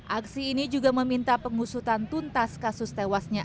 aksi ini juga meminta pengusutan tuntas kasus tewasnya